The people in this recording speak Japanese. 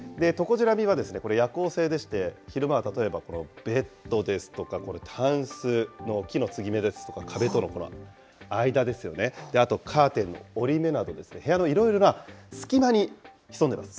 トコジラミは夜行性でして、昼間は例えばベッドですとかこのたんすの木の継ぎ目ですとか、壁との間ですよね、あとカーテンの折り目など、部屋のいろいろな隙間に潜んでいます。